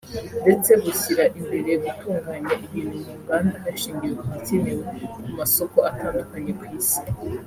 ndetse bushyira imbere gutunganya ibintu mu nganda hashingiwe ku bikenewe ku masoko atandukanye ku Isi